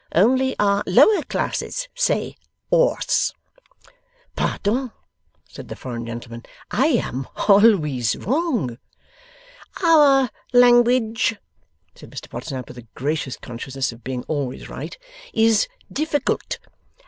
Only our Lower Classes Say "Orse!"' 'Pardon,' said the foreign gentleman; 'I am alwiz wrong!' 'Our Language,' said Mr Podsnap, with a gracious consciousness of being always right, 'is Difficult.